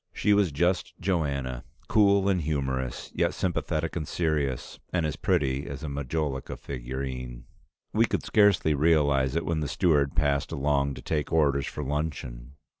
She was just Joanna, cool and humorous, yet sympathetic and serious, and as pretty as a Majolica figurine. We could scarcely realize it when the steward passed along to take orders for luncheon.